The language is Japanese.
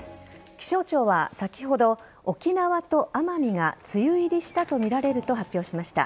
気象庁は先ほど沖縄と奄美が梅雨入りしたとみられると発表しました。